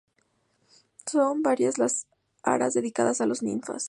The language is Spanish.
Son varias las aras dedicadas a las Ninfas.